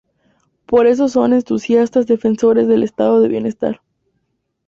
Por eso son entusiastas defensores del Estado de bienestar.